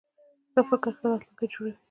ښه فکر ښه راتلونکی جوړوي.